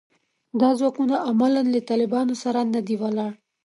دا ځواکونه عملاً له طالبانو سره نه دي ولاړ